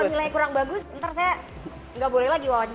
kalau nilai kurang bagus nanti saya gak boleh lagi wawancara